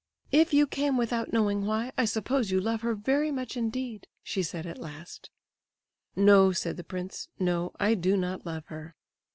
"If you came without knowing why, I suppose you love her very much indeed!" she said at last. "No," said the prince, "no, I do not love her.